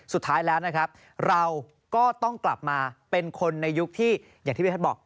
สุดท้ายแล้วนะครับเราก็ต้องกลับมาเป็นคนในยุคที่อย่างที่พี่แพทย์บอก